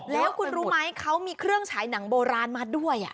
แล้วคุณรู้ไหมเขามีเครื่องฉายหนังโบราณมัดด้วย